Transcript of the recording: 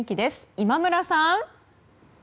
今村さん。